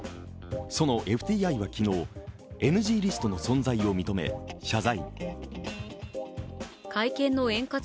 そのＦＴＩは昨日、ＮＧリストの存在を認め謝罪。